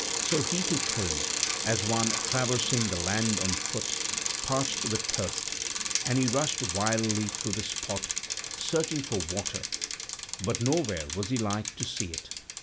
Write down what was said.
So he too came, as one traversing the land on foot, parched with thirst; and he rushed wildly through this spot, searching for water, but nowhere was he like to see it.